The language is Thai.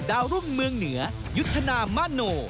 ดาวรุ่งเมืองเหนือยุทธนามโน